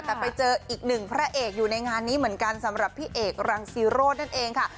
แต่ไปเจออีกหนึ่งพระเอกอยู่ในงานนี้เหมือนกันสำหรับพี่เอกรังซีโรธนั่นเองค่ะ